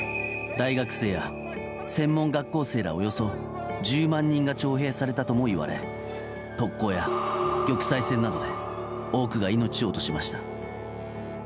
大学生や専門学校生らおよそ１０万人が徴兵されたともいわれ特攻や玉砕戦などで多くが命を落としました。